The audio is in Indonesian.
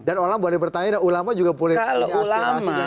dan ulama boleh bertanya dan ulama juga boleh punya aspirasi